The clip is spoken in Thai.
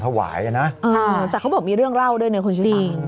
แต่เขาบอกมีเรื่องเล่าด้วยบนชื่อสาว